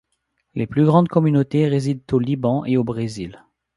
Les plus grandes communautés résident au Liban et au Brésil.